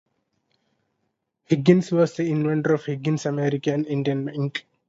Higgins was the inventor of Higgins American India Ink.